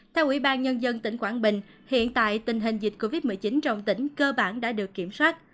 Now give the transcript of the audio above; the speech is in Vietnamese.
theo ủy ban nhân dân tỉnh quảng bình hiện tại tình hình dịch covid một mươi chín trong tỉnh cơ bản đã được kiểm soát